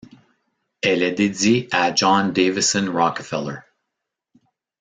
Elle est dédiée à John Davison Rockefeller.